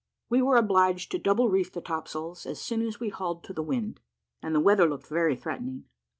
We were obliged to double reef the topsails as soon as we hauled to the wind, and the weather looked very threatening.